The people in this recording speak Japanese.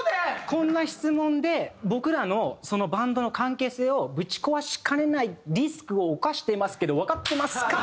こんな質問で僕らのバンドの関係性をぶち壊しかねないリスクを冒してますけどわかってますか？